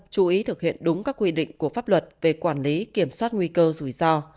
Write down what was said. chú ý thực hiện đúng các quy định của pháp luật về quản lý kiểm soát nguy cơ rủi ro